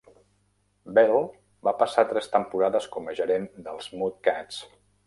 Bell va passar tres temporades com a gerent dels Mudcats.